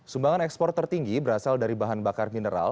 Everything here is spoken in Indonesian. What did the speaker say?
sumbangan ekspor tertinggi berasal dari bahan bakar mineral